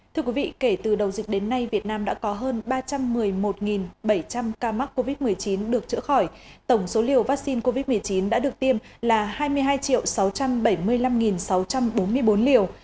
thưa quý vị kể từ đầu dịch đến nay việt nam đã có hơn ba trăm một mươi một bảy trăm linh ca mắc covid một mươi chín được chữa khỏi tổng số liều vaccine covid một mươi chín đã được tiêm là hai mươi hai sáu trăm bảy mươi năm sáu trăm bốn mươi bốn liều